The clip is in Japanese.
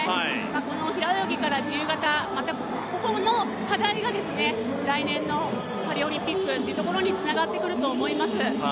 この平泳ぎから自由形、ここの課題が来年のパリオリンピックにつながってくると思います。